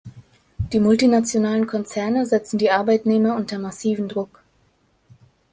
Die multinationalen Konzerne setzen die Arbeitnehmer unter massiven Druck.